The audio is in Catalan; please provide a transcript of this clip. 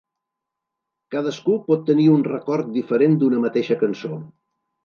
Cadascú pot tenir un record diferent d'una mateixa cançó.